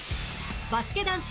バスケ男子